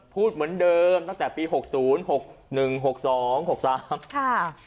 พูดเหมือนเดิมตั้งแต่ปีหกศูนย์หกหนึ่งหกสองหกสามค่ะ